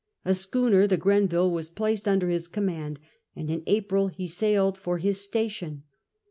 A schooner, the Grenville^ was placed under his command, and in April he sailed for his station.